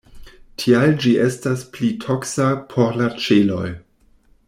Tial ĝi estas pli toksa por la ĉeloj.